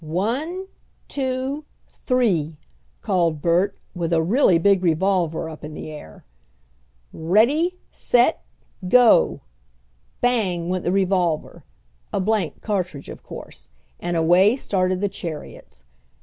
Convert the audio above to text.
"One, two, three!" called Bert, with a really big revolver up in the air. "Ready! Set! Go!" Bang! went the revolver (a blank cartridge, of course) and away started the chariots.